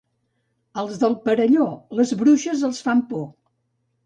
Als del Perelló, les bruixes els fan por.